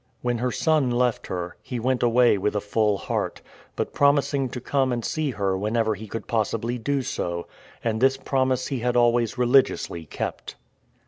When her son left her, he went away with a full heart, but promising to come and see her whenever he could possibly do so; and this promise he had always religiously kept.